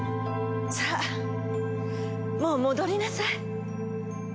さあもう戻りなさい。